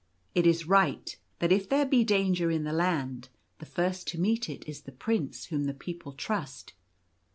It is right that if there be danger in the Land, the first to meet it is the Prince whom the people trust.